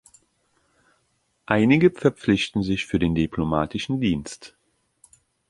Einige verpflichten sich für den diplomatischen Dienst.